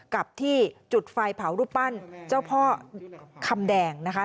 กับที่จุดไฟเผารูปปั้นเจ้าพ่อคำแดงนะคะ